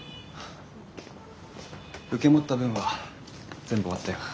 受け持った分は全部終わったよ。